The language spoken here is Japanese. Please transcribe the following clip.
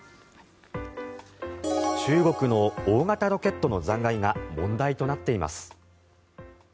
中国の大型ロケットの残骸が問題となっています。